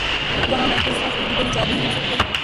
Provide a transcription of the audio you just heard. وہاں Microsoft اور Google ایجاد نہیں ہو سکتے۔